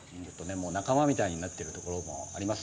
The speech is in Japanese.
仲間みたいになってるところもあります。